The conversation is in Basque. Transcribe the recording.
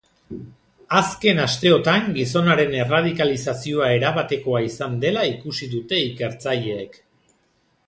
Azken asteotan gizonaren erradikalizazioa erabatekoa izan dela ikusi dute ikertzaileek.